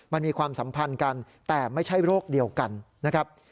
มันมีความสัมพันธ์กันแต่ไม่ใช่โรคเดียวกันนะครับ